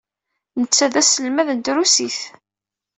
Netta d aselmad n trusit.